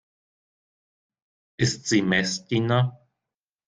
Ist sie Messdiener?